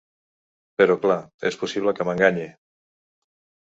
Però clar, és possible que m’enganye.